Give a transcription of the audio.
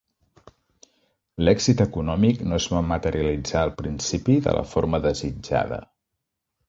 L'èxit econòmic no es va materialitzar al principi de la forma desitjada.